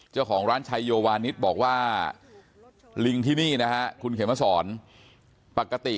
เจ้าของร้านชัยโยวานิสบอกว่าลิงที่นี่นะฮะคุณเขมสอนปกติ